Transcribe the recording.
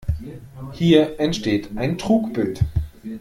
Hier entsteht ein Trugbild.